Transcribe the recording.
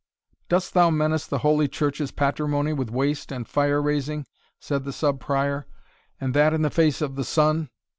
"Dost thou menace the Holy Church's patrimony with waste and fire raising," said the Sub Prior, "and that in the face of the sun?